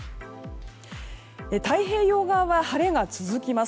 太平洋側は晴れが続きます。